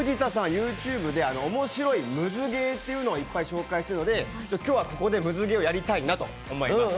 ＹｏｕＴｕｂｅで面白いムズゲーというのを紹介してるので今日はここでムズゲーをやりたいなと思います。